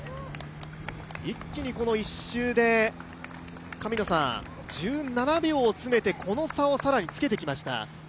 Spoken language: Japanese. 一気に１周で、１７秒を詰めて、この差をつけてきました。